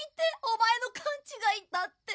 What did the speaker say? オマエの勘違いだって。